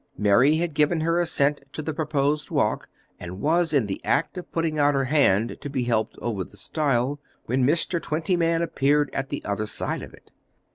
Mary had given her assent to the proposed walk, and was in the act of putting out her hand to be helped over the stile, when Mr. Twentyman appeared at the other side of it.